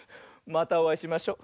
またおあいしましょ。